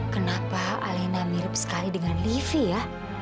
kenapa alena mirip sekali dengan livi ya